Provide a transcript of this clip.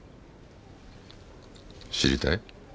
知りたい？